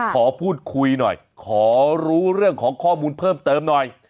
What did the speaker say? ขอพูดคุยหน่อยขอรู้เรื่องของข้อมูลเพิ่มเติมหน่อย